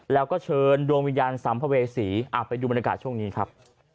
แล้วก็เชิญดวงวิญญาณสัมภเวษีไปดูบรรยากาศช่วงนี้ครับ